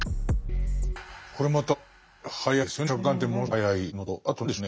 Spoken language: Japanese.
これまた早いですよね。